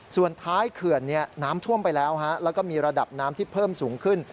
ส่วนท้ายเขื่อนน้ำท่วมไปแล้วแล้วก็มีระดับน้ำที่เพิ่มสูงขึ้น